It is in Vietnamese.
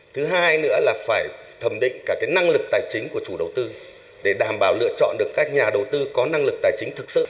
thứ hai nữa là phải thẩm định cả năng lực tài chính của chủ đầu tư để đảm bảo lựa chọn được các nhà đầu tư có năng lực tài chính thực sự